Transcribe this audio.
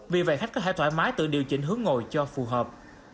vì vậy khách có thể thoải mái tự điều chỉnh hướng ngồi cho phù hợp